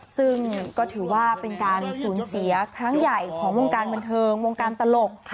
ซึ่งก็ถือว่าเป็นการสูญเสียครั้งใหญ่ของวงการบันเทิงวงการตลก